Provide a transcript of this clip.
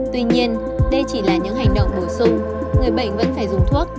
tuy nhiên đây chỉ là những hành động bổ sung người bệnh vẫn phải dùng thuốc